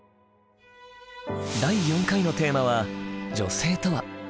第４回のテーマは「女性とは」。